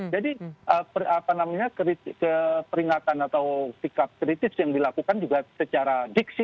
jadi apa namanya keperingatan atau sikap kritis yang dilakukan juga secara diksi